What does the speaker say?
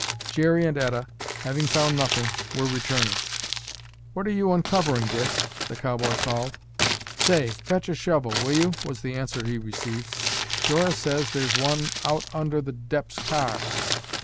Jerry and Etta, having found nothing, were returning. "What are you uncovering, Dick?" the cowboy called. "Say, fetch a shovel, will you?" was the answer he received. "Dora says there's one under the 'Dep's' car."